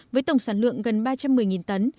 với sản lượng gần ba trăm một mươi tấn